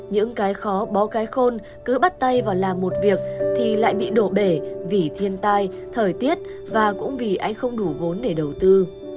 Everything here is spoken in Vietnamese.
những cái khó bó cái khôn cứ bắt tay vào làm một việc thì lại bị đổ bể vì thiên tai thời tiết và cũng vì anh không đủ vốn để đầu tư